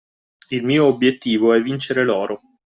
Il mio obiettivo è vincere l'oro.